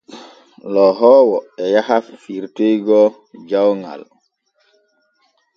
Lohoowo o yahi firtoygo jawŋal.